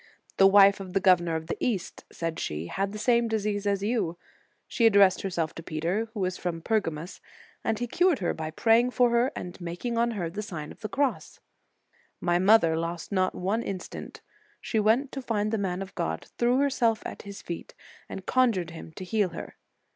The wife of the Governor of the East, said she, had the same disease as you. She addressed herself to Peter, who is from Per gamus, and he cured her by praying for her and making on her the Sign of the Cross. "My mother lost not one instant. She went to find the man of God, threw herself at his feet, and conjured him to heal her.